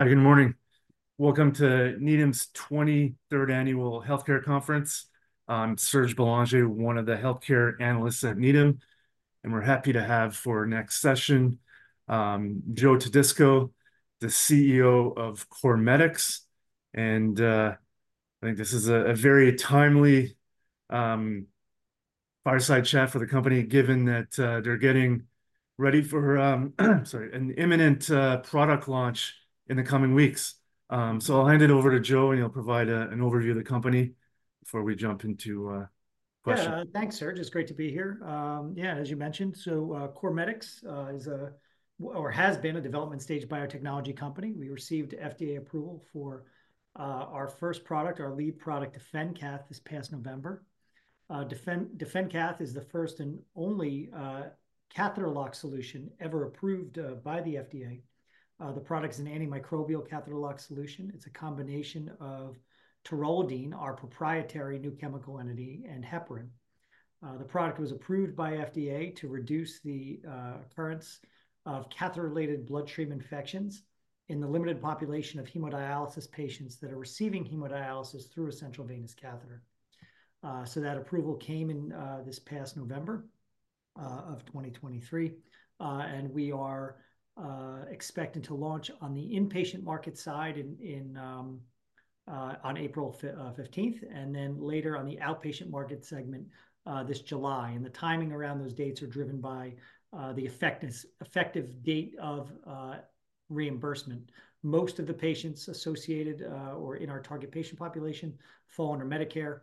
Hi, good morning. Welcome to Needham's 23rd Annual Healthcare Conference. I'm Serge Belanger, one of the healthcare analysts at Needham, and we're happy to have for next session, Joe Todisco, the CEO of CorMedix. And, I think this is a very timely, fireside chat for the company, given that, they're getting ready for, sorry, an imminent, product launch in the coming weeks. So I'll hand it over to Joe, and he'll provide an overview of the company before we jump into, questions. Yeah, thanks, Serge. It's great to be here. Yeah, as you mentioned, so, CorMedix is a or has been a development-stage biotechnology company. We received FDA approval for our first product, our lead product, DefenCath, this past November. DefenCath is the first and only catheter-lock solution ever approved by the FDA. The product is an antimicrobial catheter-lock solution. It's a combination of taurolidine, our proprietary new chemical entity, and heparin. The product was approved by FDA to reduce the occurrence of catheter-related bloodstream infections in the limited population of hemodialysis patients that are receiving hemodialysis through a central venous catheter. So that approval came in this past November of 2023. And we are expecting to launch on the inpatient market side in, in, on April 15th, and then later on the outpatient market segment, this July. And the timing around those dates are driven by the effective date of reimbursement. Most of the patients associated or in our target patient population fall under Medicare.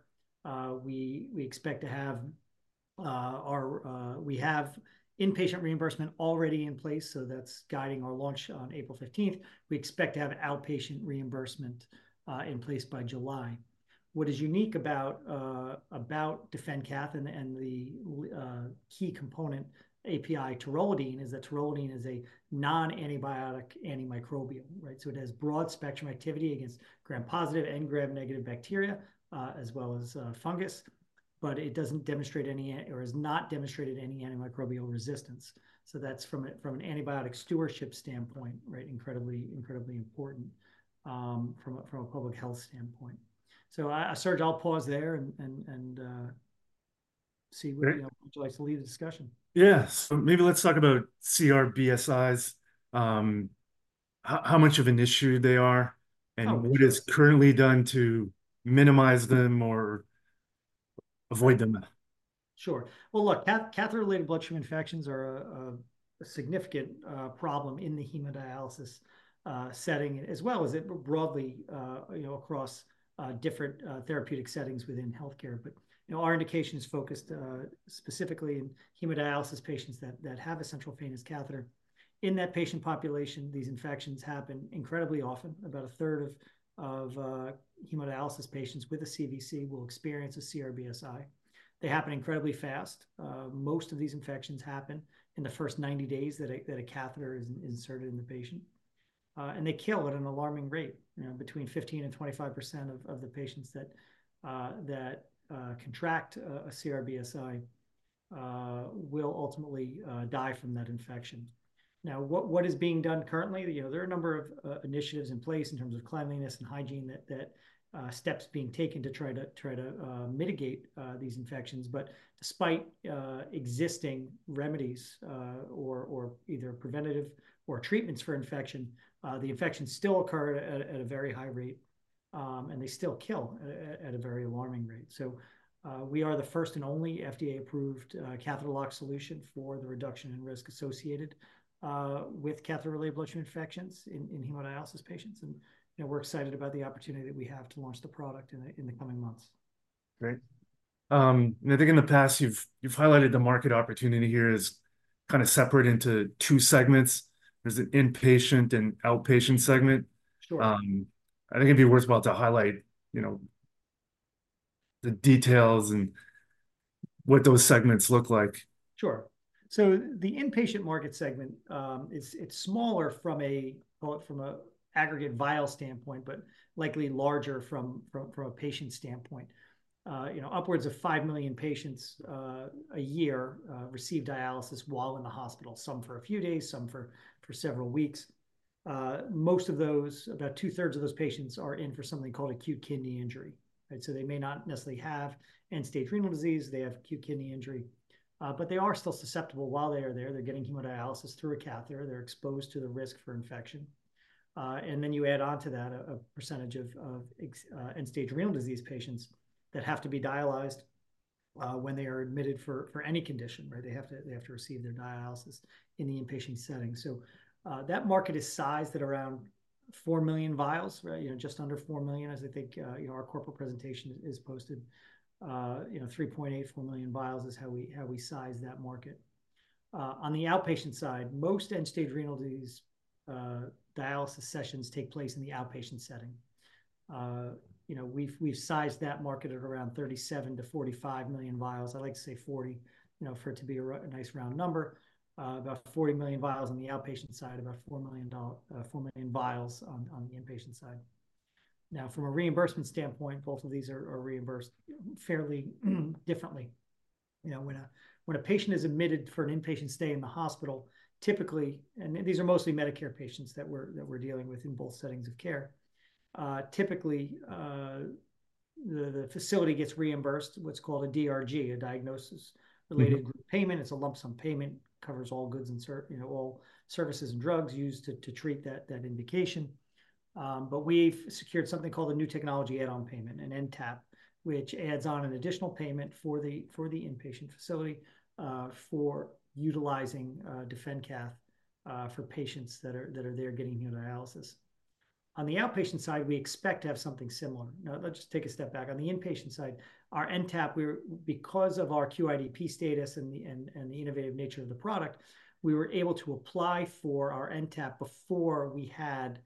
We expect to have. We have inpatient reimbursement already in place, so that's guiding our launch on April 15th. We expect to have outpatient reimbursement in place by July. What is unique about DefenCath and the key component API, taurolidine, is that taurolidine is a non-antibiotic antimicrobial, right? So it has broad-spectrum activity against Gram-positive and Gram-negative bacteria, as well as fungus. But it doesn't demonstrate any or has not demonstrated any antimicrobial resistance. So that's from an antibiotic stewardship standpoint, right, incredibly important, from a public health standpoint. So, Serge, I'll pause there and see what you know would you like to lead the discussion. Yeah, so maybe let's talk about CRBSIs, how much of an issue they are, and what is currently done to minimize them or avoid them? Sure. Well, look, catheter-related bloodstream infections are a significant problem in the hemodialysis setting, as well as broadly, you know, across different, therapeutic settings within healthcare. But, you know, our indication is focused specifically in hemodialysis patients that have a central venous catheter. In that patient population, these infections happen incredibly often. About a third of hemodialysis patients with a CVC will experience a CRBSI. They happen incredibly fast. Most of these infections happen in the first 90 days that a catheter is inserted in the patient. And they kill at an alarming rate, you know, 15%-25% of the patients that contract a CRBSI will ultimately die from that infection. Now, what is being done currently? You know, there are a number of initiatives in place in terms of cleanliness and hygiene that steps being taken to try to mitigate these infections. Despite existing remedies or either preventative or treatments for infection, the infections still occur at a very high rate, and they still kill at a very alarming rate. We are the first and only FDA-approved catheter-lock solution for the reduction in risk associated with catheter-related bloodstream infections in hemodialysis patients. We're excited about the opportunity that we have to launch the product in the coming months. Great. I think in the past, you've highlighted the market opportunity here is kind of separate into two segments. There's an inpatient and outpatient segment. I think it'd be worthwhile to highlight, you know, the details and what those segments look like. Sure. So the inpatient market segment, it's smaller from an aggregate vial standpoint, but likely larger from a patient standpoint. You know, upwards of 5 million patients a year receive dialysis while in the hospital, some for a few days, some for several weeks. Most of those, about two-thirds of those patients, are in for something called acute kidney injury, right? So they may not necessarily have end-stage renal disease. They have acute kidney injury. But they are still susceptible while they are there. They're getting hemodialysis through a catheter. They're exposed to the risk for infection. And then you add on to that a percentage of end-stage renal disease patients that have to be dialyzed when they are admitted for any condition, right? They have to receive their dialysis in the inpatient setting. So that market is sized at around 4 million vials, right? You know, just under 4 million, as I think our corporate presentation is posted. You know, 3.8-4 million vials is how we size that market. On the outpatient side, most end-stage renal disease dialysis sessions take place in the outpatient setting. You know, we've sized that market at around 37 million-45 million vials. I like to say 40, you know, for it to be a nice round number. About 40 million vials on the outpatient side, about 4 million vials on the inpatient side. Now, from a reimbursement standpoint, both of these are reimbursed fairly differently. You know, when a patient is admitted for an inpatient stay in the hospital, typically, and these are mostly Medicare patients that we're dealing with in both settings of care. Typically, the facility gets reimbursed what's called a DRG, a diagnosis-related payment. It's a lump-sum payment. It covers all goods and, you know, all services and drugs used to treat that indication. But we've secured something called a new technology add-on payment, an NTAP, which adds on an additional payment for the inpatient facility for utilizing DefenCath for patients that are there getting hemodialysis. On the outpatient side, we expect to have something similar. Now, let's just take a step back. On the inpatient side, our NTAP, because of our QIDP status and the innovative nature of the product, we were able to apply for our NTAP before we had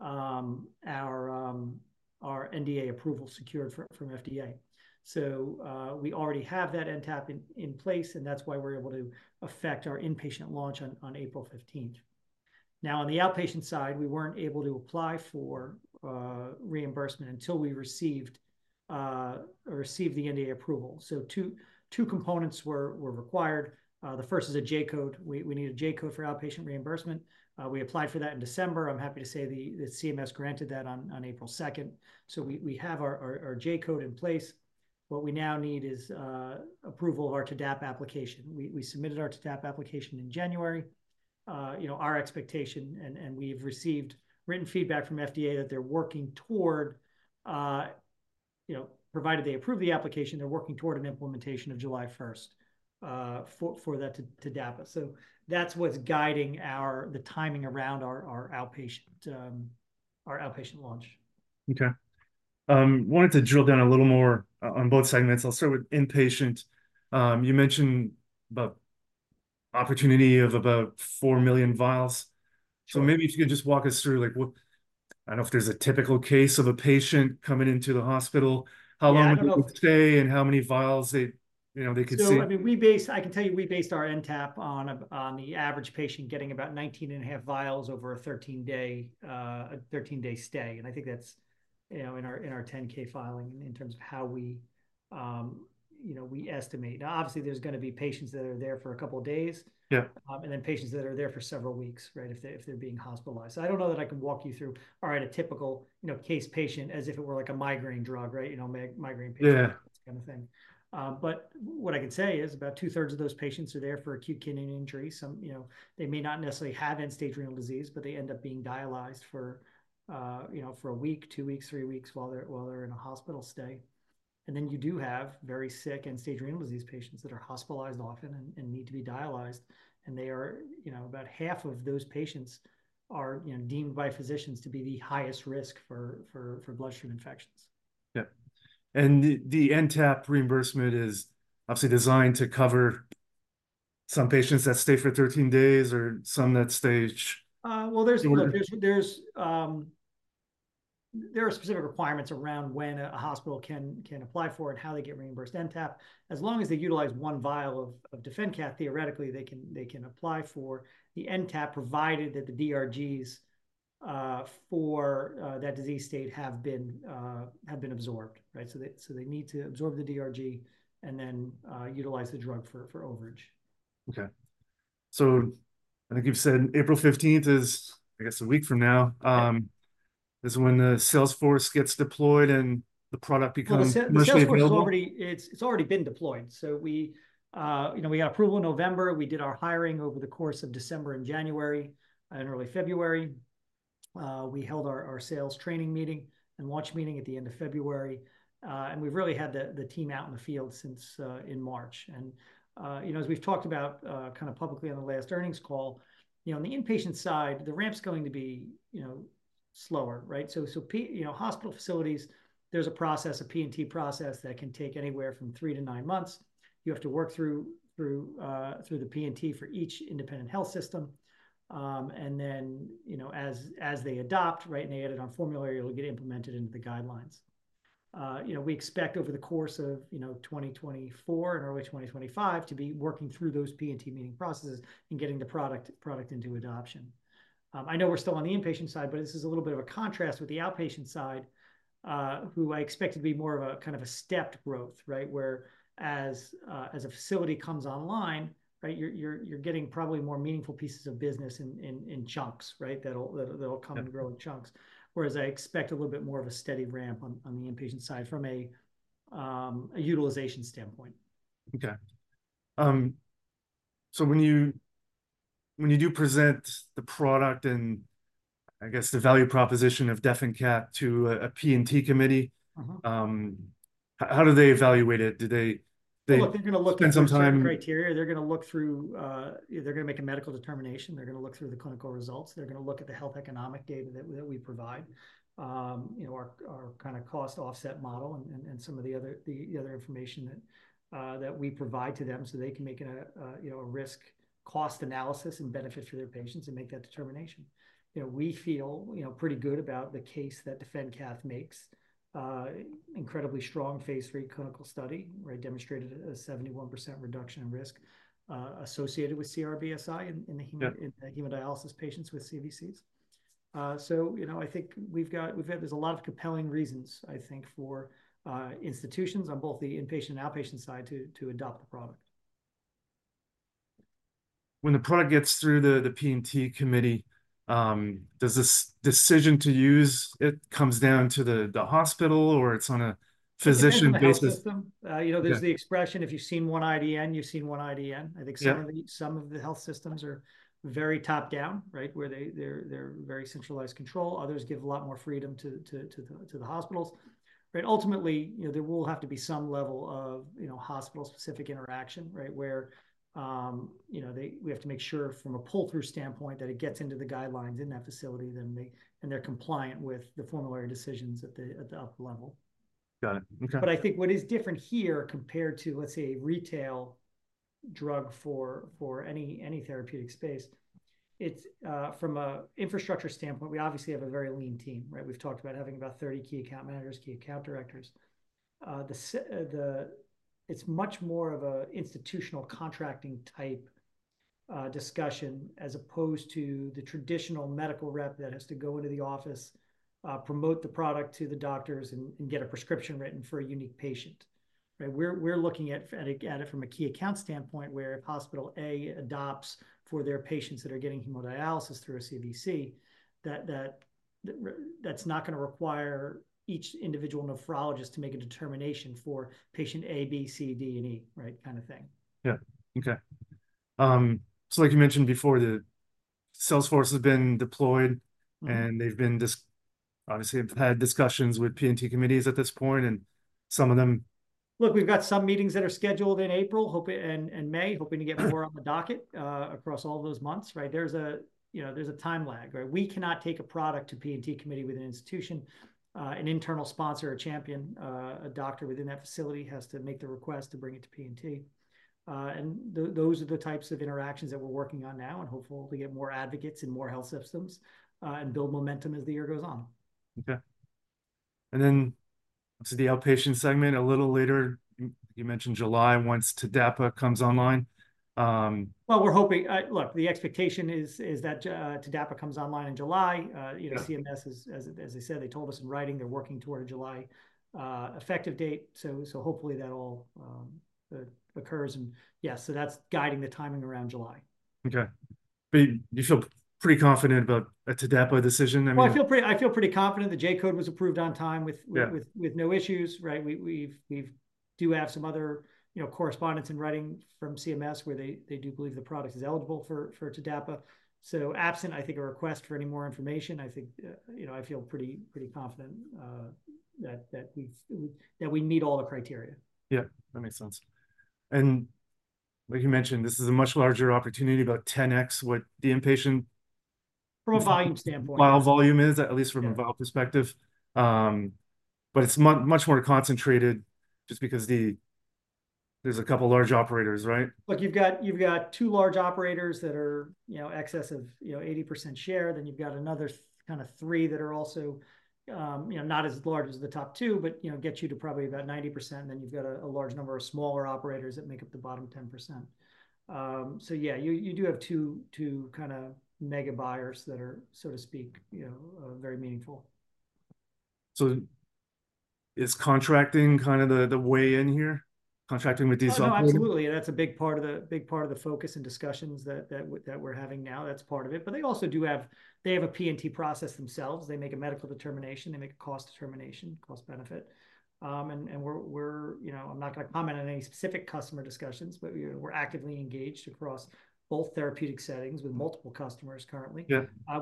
our NDA approval secured from FDA. So we already have that NTAP in place, and that's why we're able to affect our inpatient launch on April 15th. Now, on the outpatient side, we weren't able to apply for reimbursement until we received the NDA approval. So two components were required. The first is a J-code. We need a J-code for outpatient reimbursement. We applied for that in December. I'm happy to say the CMS granted that on April 2nd. So we have our J-code in place. What we now need is approval of our TDAPA application. We submitted our TDAPA application in January. You know, our expectation, and we've received written feedback from FDA that they're working toward, you know, provided they approve the application, they're working toward an implementation of July 1st for that TDAPA. So that's what's guiding the timing around our outpatient launch. OK. I wanted to drill down a little more on both segments. I'll start with inpatient. You mentioned about the opportunity of about 4 million vials. So maybe if you could just walk us through, like, what I don't know if there's a typical case of a patient coming into the hospital. How long would they stay, and how many vials they, you know, they could see? So I mean, I can tell you we based our NTAP on the average patient getting about 19.5 vials over a 13-day stay. And I think that's, you know, in our 10-K filing in terms of how we, you know, we estimate. Now, obviously, there's going to be patients that are there for a couple of days, and then patients that are there for several weeks, right, if they're being hospitalized. So I don't know that I can walk you through, all right, a typical case patient as if it were, like, a migraine drug, right? You know, migraine patient, that kind of thing. But what I can say is about two-thirds of those patients are there for acute kidney injury. Some, you know, they may not necessarily have end-stage renal disease, but they end up being dialyzed for, you know, for a week, two weeks, three weeks while they're in a hospital stay. And then you do have very sick end-stage renal disease patients that are hospitalized often and need to be dialyzed. And they are, you know, about half of those patients are deemed by physicians to be the highest risk for bloodstream infections. Yeah. The NTAP reimbursement is obviously designed to cover some patients that stay for 13 days or some that stay? Well, there's specific requirements around when a hospital can apply for it and how they get reimbursed NTAP. As long as they utilize one vial of DefenCath, theoretically, they can apply for the NTAP, provided that the DRGs for that disease state have been absorbed, right? So they need to absorb the DRG and then utilize the drug for overage. OK. So I think you've said April 15th is, I guess, a week from now is when the sales force gets deployed and the product becomes commercially available? Well, the sales force has already been deployed. So we, you know, we got approval in November. We did our hiring over the course of December and January and early February. We held our sales training meeting and launch meeting at the end of February. And we've really had the team out in the field since in March. And, you know, as we've talked about kind of publicly on the last earnings call, you know, on the inpatient side, the ramp's going to be, you know, slower, right? So hospital facilities, there's a process, a P&T process, that can take anywhere from three to nine months. You have to work through the P&T for each independent health system. And then, you know, as they adopt, right, and they edit on formulary, it'll get implemented into the guidelines. You know, we expect over the course of 2024 and early 2025 to be working through those P&T meeting processes and getting the product into adoption. I know we're still on the inpatient side, but this is a little bit of a contrast with the outpatient side, who I expect to be more of a kind of a stepped growth, right, where as a facility comes online, you're getting probably more meaningful pieces of business in chunks, right, that'll come and grow in chunks. Whereas I expect a little bit more of a steady ramp on the inpatient side from a utilization standpoint. OK. So when you do present the product and, I guess, the value proposition of DefenCath to a P&T Committee, how do they evaluate it? Do they spend some time? Well, if they're going to look at the criteria, they're going to look through they're going to make a medical determination. They're going to look through the clinical results. They're going to look at the health economic data that we provide, you know, our kind of cost offset model and some of the other information that we provide to them so they can make a risk-cost analysis and benefit for their patients and make that determination. You know, we feel pretty good about the case that DefenCath makes, an incredibly strong Phase III clinical study, right, demonstrated a 71% reduction in risk associated with CRBSI in the hemodialysis patients with CVCs. So, you know, I think we've got there's a lot of compelling reasons, I think, for institutions on both the inpatient and outpatient side to adopt the product. When the product gets through the P&T Committee, does this decision to use it come down to the hospital, or it's on a physician basis? You know, there's the expression, if you've seen one IDN, you've seen one IDN. I think some of the health systems are very top down, right, where they're very centralized control. Others give a lot more freedom to the hospitals. But ultimately, you know, there will have to be some level of hospital-specific interaction, right, where, you know, we have to make sure from a pull-through standpoint that it gets into the guidelines in that facility and they're compliant with the formulary decisions at the upper level. Got it. OK. But I think what is different here compared to, let's say, a retail drug for any therapeutic space, it's from an infrastructure standpoint, we obviously have a very lean team, right? We've talked about having about 30 key account managers, key account directors. It's much more of an institutional contracting type discussion as opposed to the traditional medical rep that has to go into the office, promote the product to the doctors, and get a prescription written for a unique patient, right? We're looking at it from a key account standpoint where if Hospital A adopts for their patients that are getting hemodialysis through a CVC, that's not going to require each individual nephrologist to make a determination for patient A, B, C, D, and E, right, kind of thing. Yeah. OK. So like you mentioned before, the sales force has been deployed, and they've obviously had discussions with P&T committees at this point. And some of them. Look, we've got some meetings that are scheduled in April and May, hoping to get more on the docket across all of those months, right? There's a time lag, right? We cannot take a product to P&T Committee with an institution. An internal sponsor or champion, a doctor within that facility, has to make the request to bring it to P&T. And those are the types of interactions that we're working on now and hopefully to get more advocates and more health systems and build momentum as the year goes on. OK. And then obviously the outpatient segment a little later, you mentioned July once TDAPA comes online. Well, we're hoping, look, the expectation is that TDAPA comes online in July. You know, CMS, as they said, they told us in writing, they're working toward a July effective date. So hopefully, that all occurs. And yes, so that's guiding the timing around July. OK. But you feel pretty confident about a TDAPA decision? Well, I feel pretty confident. The J-code was approved on time with no issues, right? We do have some other correspondence in writing from CMS where they do believe the product is eligible for TDAPA. So absent, I think, a request for any more information, I think I feel pretty confident that we meet all the criteria. Yeah. That makes sense. And like you mentioned, this is a much larger opportunity, about 10x what the inpatient vial volume is, at least from a vial perspective. But it's much more concentrated just because there's a couple of large operators, right? Look, you've got two large operators that are exceeding 80% share. Then you've got another kind of three that are also not as large as the top two, but get you to probably about 90%. And then you've got a large number of smaller operators that make up the bottom 10%. So yeah, you do have two kind of mega buyers that are, so to speak, very meaningful. Is contracting kind of the way in here, contracting with these? Oh, absolutely. That's a big part of the focus and discussions that we're having now. That's part of it. But they also do have a P&T process themselves. They make a medical determination. They make a cost determination, cost-benefit. And I'm not going to comment on any specific customer discussions, but we're actively engaged across both therapeutic settings with multiple customers currently.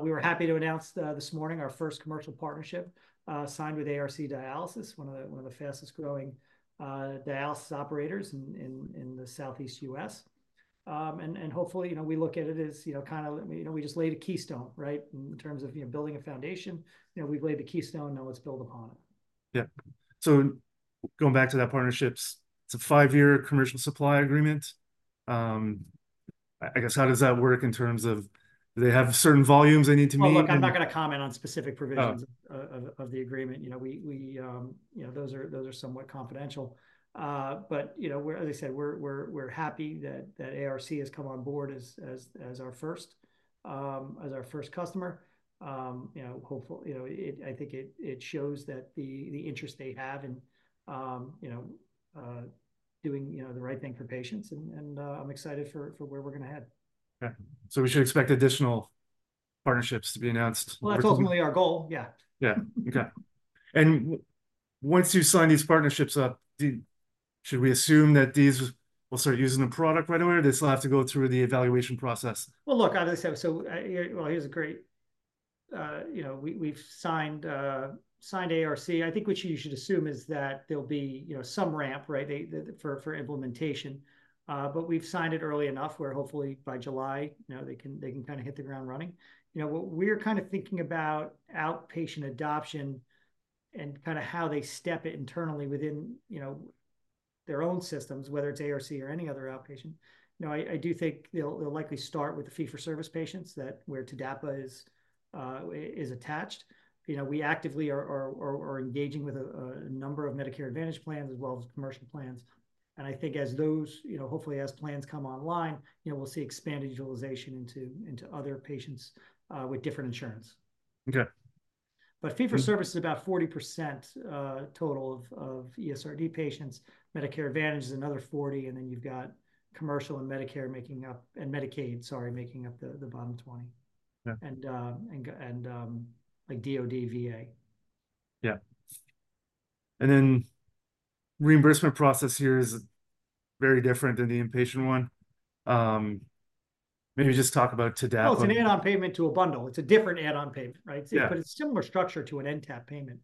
We were happy to announce this morning our first commercial partnership signed with ARC Dialysis, one of the fastest growing dialysis operators in the Southeast U.S. And hopefully, we look at it as kind of we just laid a keystone, right, in terms of building a foundation. We've laid the keystone. Now let's build upon it. Yeah. Going back to that partnership, it's a five year commercial supply agreement. I guess how does that work in terms of do they have certain volumes they need to meet? Well, look, I'm not going to comment on specific provisions of the agreement. You know, those are somewhat confidential. But as I said, we're happy that ARC has come on board as our first customer. Hopefully, I think it shows that the interest they have in doing the right thing for patients. And I'm excited for where we're going to head. OK. So we should expect additional partnerships to be announced? Well, that's ultimately our goal. Yeah. Yeah. OK. Once you sign these partnerships up, should we assume that these will start using the product right away, or they still have to go through the evaluation process? Well, look, obviously, we've signed ARC. I think what you should assume is that there'll be some ramp, right, for implementation. But we've signed it early enough where, hopefully, by July, they can kind of hit the ground running. We're kind of thinking about outpatient adoption and kind of how they step it internally within their own systems, whether it's ARC or any other outpatient. I do think they'll likely start with the fee-for-service patients where TDAPA is attached. We actively are engaging with a number of Medicare Advantage plans, as well as commercial plans. I think as those, hopefully, as plans come online, we'll see expanded utilization into other patients with different insurance. OK. Fee-for-service is about 40% total of ESRD patients. Medicare Advantage is another 40%. Then you've got commercial and Medicaid making up the bottom 20% and DOD, VA. Yeah. And then reimbursement process here is very different than the inpatient one. Maybe just talk about TDAPA. Well, it's an add-on payment to a bundle. It's a different add-on payment, right? But it's a similar structure to an NTAP payment,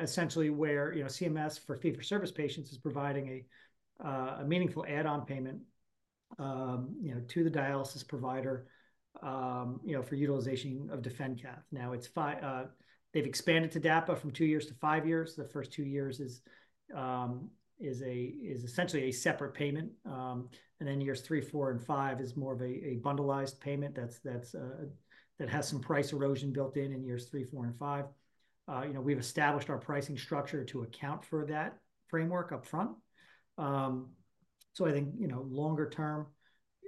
essentially, where CMS for fee-for-service patients is providing a meaningful add-on payment to the dialysis provider for utilization of DefenCath. Now, they've expanded TDAPA from two years to five years. The first two years is essentially a separate payment. And then years three, four, and five is more of a bundled payment that has some price erosion built in in years three, four, and five. We've established our pricing structure to account for that framework upfront. So I think longer term,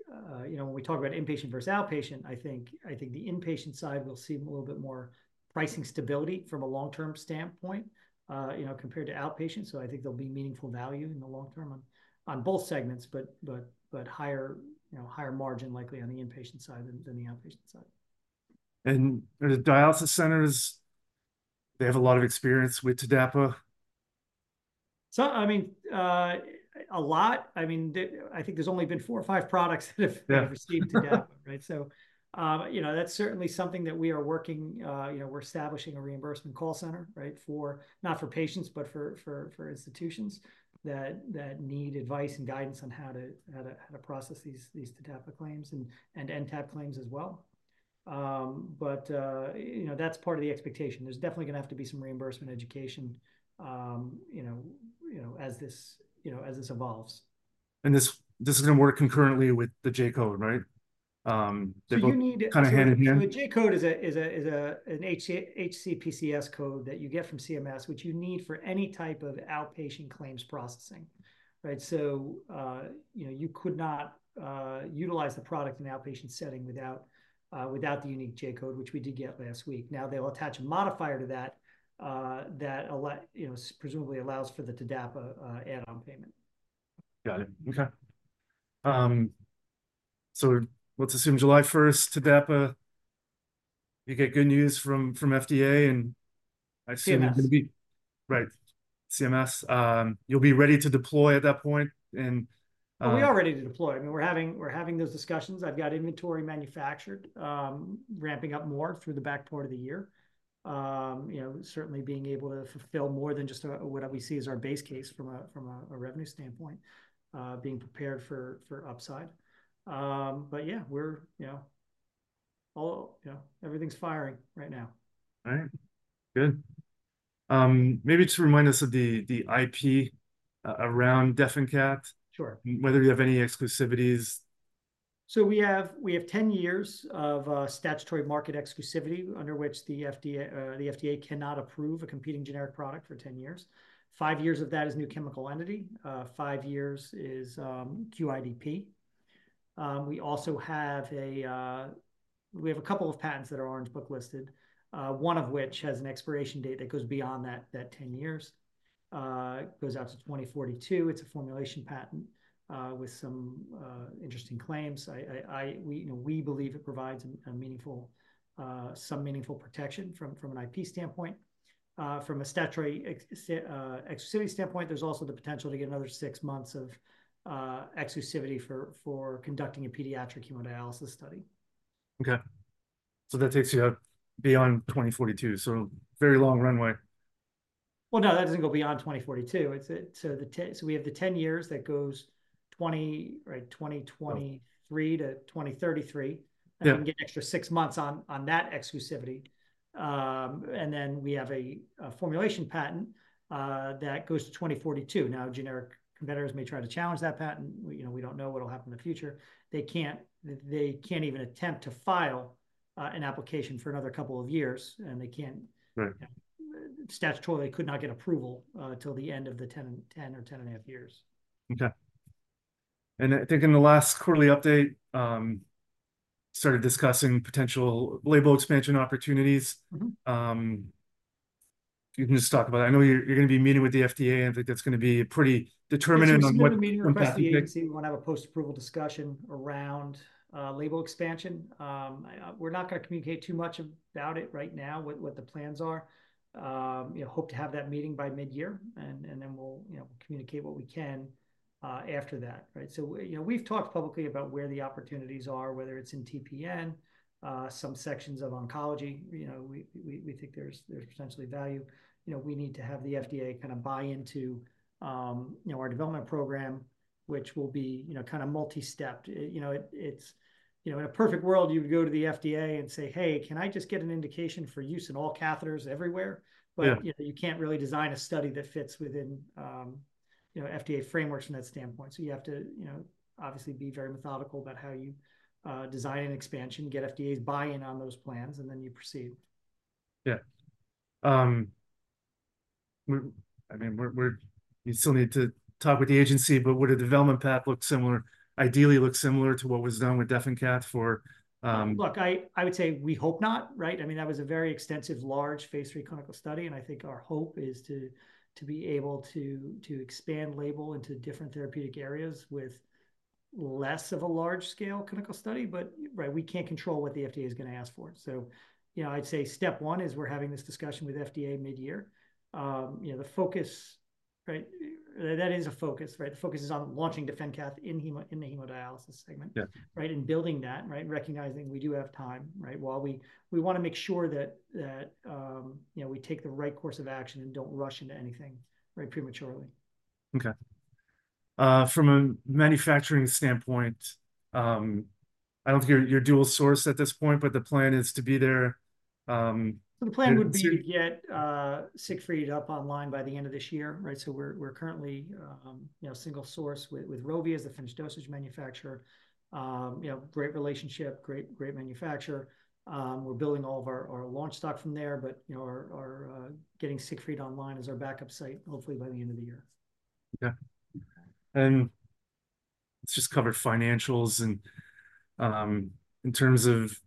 when we talk about inpatient versus outpatient, I think the inpatient side will see a little bit more pricing stability from a long-term standpoint compared to outpatient. I think there'll be meaningful value in the long term on both segments, but higher margin, likely, on the inpatient side than the outpatient side. Are the dialysis centers, they have a lot of experience with TDAPA? I mean, a lot. I mean, I think there's only been four or five products that have received TDAPA, right? So that's certainly something that we are working. We're establishing a reimbursement call center for, not for patients, but for institutions that need advice and guidance on how to process these TDAPA claims and NTAP claims as well. But that's part of the expectation. There's definitely going to have to be some reimbursement education as this evolves. This is going to work concurrently with the J-code, right? They're both kind of hand in hand? So you need a J-code. A J-code is an HCPCS code that you get from CMS, which you need for any type of outpatient claims processing, right? So you could not utilize the product in an outpatient setting without the unique J-code, which we did get last week. Now, they'll attach a modifier to that that presumably allows for the TDAPA add-on payment. Got it. OK. Let's assume July 1, TDAPA. You get good news from FDA. I assume it's going to be right, CMS. You'll be ready to deploy at that point? Well, we are ready to deploy. I mean, we're having those discussions. I've got inventory manufactured, ramping up more through the back part of the year, certainly being able to fulfill more than just what we see as our base case from a revenue standpoint, being prepared for upside. But yeah, everything's firing right now. All right. Good. Maybe just remind us of the IP around DefenCath, whether you have any exclusivities. So we have 10 years of statutory market exclusivity under which the FDA cannot approve a competing generic product for 10 years. five years of that is new chemical entity. five years is QIDP. We have a couple of patents that are Orange Book-listed, one of which has an expiration date that goes beyond that 10 years, goes out to 2042. It's a formulation patent with some interesting claims. We believe it provides some meaningful protection from an IP standpoint. From a statutory exclusivity standpoint, there's also the potential to get another six months of exclusivity for conducting a pediatric hemodialysis study. OK. So that takes you out beyond 2042. So very long runway. Well, no, that doesn't go beyond 2042. We have the 10 years that goes 2023 to 2033. You get an extra six months on that exclusivity. We have a formulation patent that goes to 2042. Now, generic competitors may try to challenge that patent. We don't know what'll happen in the future. They can't even attempt to file an application for another couple of years. Statutorily, they could not get approval till the end of the 10 or 10 and 1/2 years. OK. I think in the last quarterly update, we started discussing potential label expansion opportunities. You can just talk about it. I know you're going to be meeting with the FDA. I think that's going to be pretty determinant on what. So I'm just going to meet with the FDA and see if we want to have a post-approval discussion around label expansion. We're not going to communicate too much about it right now, what the plans are. Hope to have that meeting by mid-year. And then we'll communicate what we can after that, right? So we've talked publicly about where the opportunities are, whether it's in TPN, some sections of oncology. We think there's potentially value. We need to have the FDA kind of buy into our development program, which will be kind of multi-stepped. In a perfect world, you would go to the FDA and say, hey, can I just get an indication for use in all catheters everywhere? But you can't really design a study that fits within FDA frameworks from that standpoint. You have to, obviously, be very methodical about how you design an expansion, get FDA's buy-in on those plans, and then you proceed. Yeah. I mean, you still need to talk with the agency. But would a development path ideally look similar to what was done with DefenCath for? Look, I would say we hope not, right? I mean, that was a very extensive, large Phase III clinical study. I think our hope is to be able to expand label into different therapeutic areas with less of a large-scale clinical study. But we can't control what the FDA is going to ask for. So I'd say step one is we're having this discussion with FDA mid-year. The focus that is a focus, right? The focus is on launching DefenCath in the hemodialysis segment and building that, recognizing we do have time. While we want to make sure that we take the right course of action and don't rush into anything prematurely. Okay. From a manufacturing standpoint, I don't think you're dual-source at this point. But the plan is to be there. So the plan would be to get Siegfried up online by the end of this year, right? We're currently single-source with Rovi as the finished dosage manufacturer. Great relationship, great manufacturer. We're building all of our launch stock from there. But getting Siegfried online is our backup site, hopefully, by the end of the year. OK. Let's just cover financials in terms of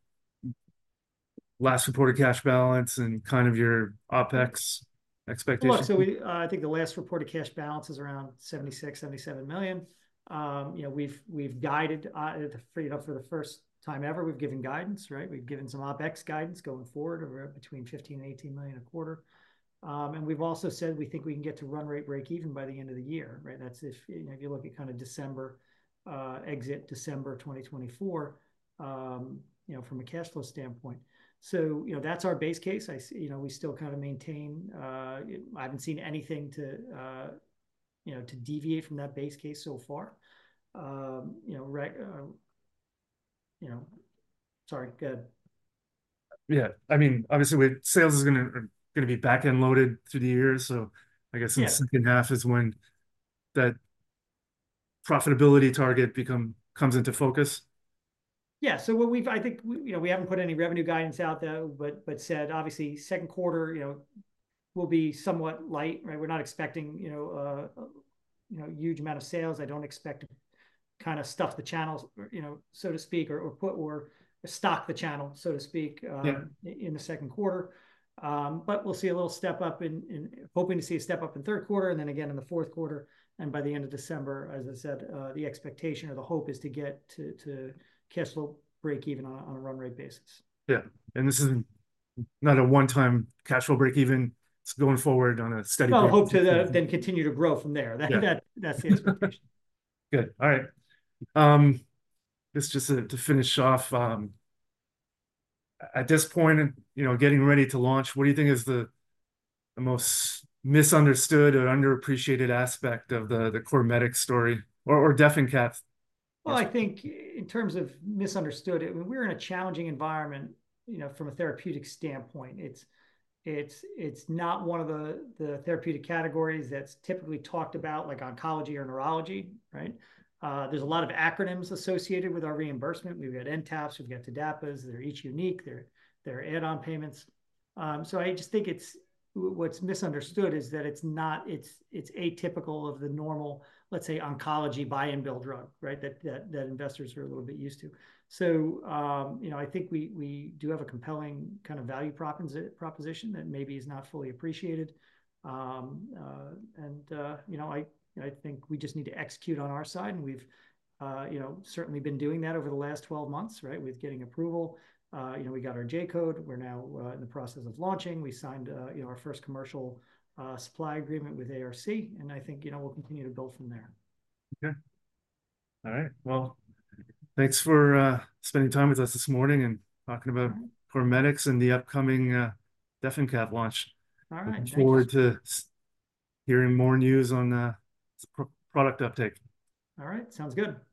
last reported cash balance and kind of your OpEx expectations. Well, look, so I think the last reported cash balance is around $76 million, $77 million. We've guided for the first time ever. We've given guidance, right? We've given some OpEx guidance going forward, between $15 million-$18 million a quarter. And we've also said we think we can get to run rate break-even by the end of the year, right? That's if you look at kind of December exit, December 2024, from a cash flow standpoint. So that's our base case. We still kind of maintain. I haven't seen anything to deviate from that base case so far. Sorry. Go ahead. Yeah. I mean, obviously, sales is going to be back-end loaded through the year. So I guess the second half is when that profitability target comes into focus. Yeah. So I think we haven't put any revenue guidance out there, but said, obviously, second quarter will be somewhat light, right? We're not expecting a huge amount of sales. I don't expect to kind of stuff the channels, so to speak, or stock the channel, so to speak, in the second quarter. But we'll see a little step up, hoping to see a step up in third quarter and then again in the fourth quarter. And by the end of December, as I said, the expectation or the hope is to get to cash flow break-even on a run rate basis. Yeah. This is not a one-time cash flow break-even. It's going forward on a steady basis. Well, hope to then continue to grow from there. That's the expectation. Good. All right. Just to finish off, at this point, getting ready to launch, what do you think is the most misunderstood or underappreciated aspect of the CorMedix story or DefenCath? Well, I think in terms of misunderstood, we're in a challenging environment from a therapeutic standpoint. It's not one of the therapeutic categories that's typically talked about, like oncology or neurology, right? There's a lot of acronyms associated with our reimbursement. We've got NTAPs. We've got TDAPAs. They're each unique. They're add-on payments. So I just think what's misunderstood is that it's atypical of the normal, let's say, oncology buy-and-build drug that investors are a little bit used to. So I think we do have a compelling kind of value proposition that maybe is not fully appreciated. And I think we just need to execute on our side. And we've certainly been doing that over the last 12 months with getting approval. We got our J-code. We're now in the process of launching. We signed our first commercial supply agreement with ARC. And I think we'll continue to build from there. OK. All right. Well, thanks for spending time with us this morning and talking about CorMedix and the upcoming DefenCath launch. All right. Thank you. Looking forward to hearing more news on product update. All right. Sounds good.